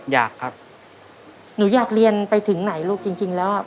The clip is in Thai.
อยากครับหนูอยากเรียนไปถึงไหนลูกจริงแล้ว